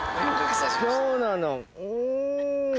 そうなのん。